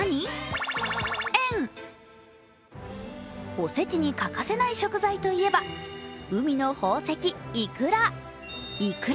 おせちに欠かせない食材といえば海の宝石・イクラ。